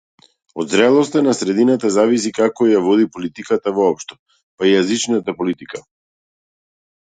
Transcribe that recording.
Од зрелоста на средината зависи како ја води политиката воопшто, па и јазичната политика.